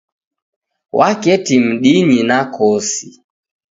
W'aketi mdinyi na kosi.